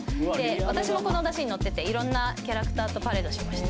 私もこの山車に乗ってていろんなキャラクターとパレードしました